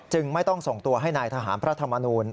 ไม่ต้องส่งตัวให้นายทหารพระธรรมนูล